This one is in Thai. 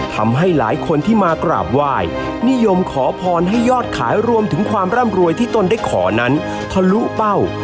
ทำให้หลายคนที่มากราบไหว้นิยมขอพรให้ยอดขายรวมถึงความร่ำรวยที่ตนได้ขอนั้นทะลุเป้า